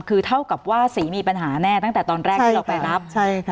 คือเท่ากับว่าสีมีปัญหาแน่ตั้งแต่ตอนแรกที่เราไปรับใช่ค่ะ